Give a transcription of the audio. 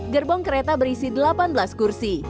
gerbong kereta berisi delapan belas kursi